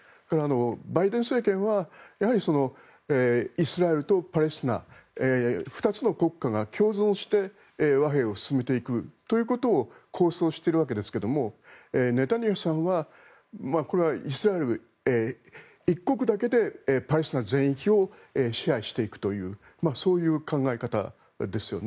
バイデン政権はイスラエルとパレスチナ２つの国家が共存して和平を進めていくということを構想しているわけですがネタニヤフさんはこれはイスラエル一国だけでパレスチナ全域を支配していくというそういう考え方ですよね。